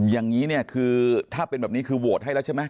อย่างนี้เนี่ยคือถ้าเป็นแบบนี้คือโหวตให้แล้วใช่ไหม